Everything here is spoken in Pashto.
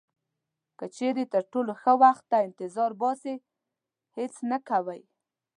که چیرې تر ټولو ښه وخت ته انتظار باسئ هیڅ نه کوئ.